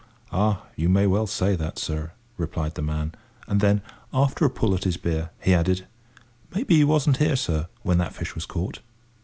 "Ah! you may well say that, sir," replied the man; and then, after a pull at his beer, he added, "Maybe you wasn't here, sir, when that fish was caught?"